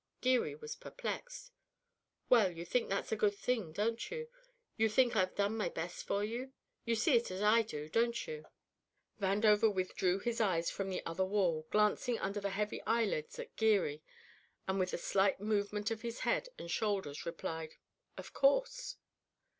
Geary was perplexed. "Well, you think that's a good thing, don't you? You think I've done my best for you? You see it as I do, don't you?" Vandover withdrew his eyes from the other wall, glancing under heavy eyelids at Geary, and with a slight movement of his head and shoulders replied: "Of course."